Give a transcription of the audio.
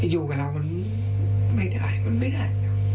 อยู่กับเรามันไม่ได้มันไม่ได้